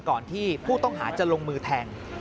ก่อนที่ผู้ต้องหาจะลงมือแทง